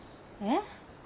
えっ？